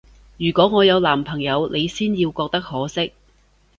如果我有男朋友，你先要覺得可惜